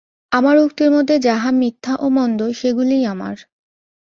আমার উক্তির মধ্যে যাহা মিথ্যা ও মন্দ, সেইগুলিই আমার।